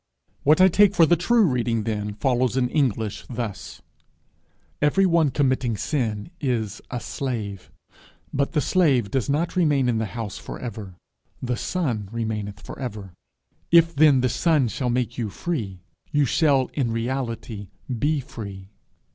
What I take for the true reading then, I English thus: 'Every one committing sin is a slave. But the slave does not remain in the house for ever; the son remaineth for ever. If then the son shall make you free, you shall in reality be free.'